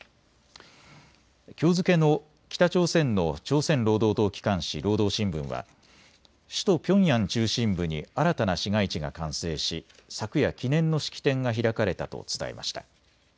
きょう付けの北朝鮮の朝鮮労働党機関紙、労働新聞は首都ピョンヤン中心部に新たな市街地が完成し昨夜、記念の式典が開かれたと伝えました。